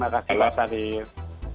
terima kasih pak syahril